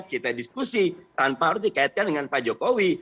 kita diskusi tanpa harus dikaitkan dengan pak jokowi